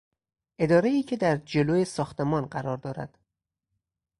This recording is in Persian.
ادارهای که در جلو ساختمان قرار دارد